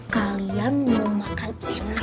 kalian mau makan gimana